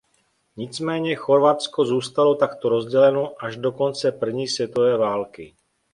Nicméně Chorvatsko zůstalo takto rozděleno až do konce první světové války.